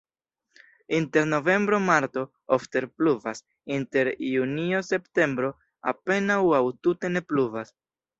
Inter novembro-marto ofte pluvas, inter junio-septembro apenaŭ aŭ tute ne pluvas.